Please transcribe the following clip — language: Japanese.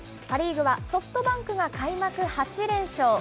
パ・リーグはソフトバンクが開幕８連勝。